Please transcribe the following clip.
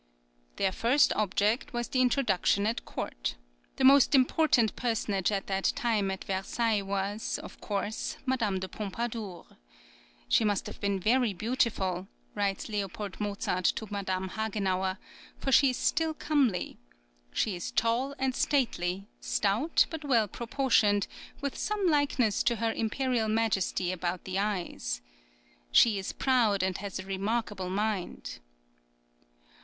Their first object was the introduction at court. The most important personage at that time at Versailles was, of course, Madame de Pompadour. "She must have been very beautiful," writes L. Mozart to Madame Hagenauer, "for she is still comely. She is tall and stately; stout, but well proportioned, with some likeness to Her Imperial Majesty about the eyes. She is proud, and has a remarkable mind."